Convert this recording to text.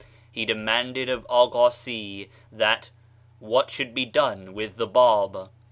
He demanded of Aghassi what should be done with the Bab.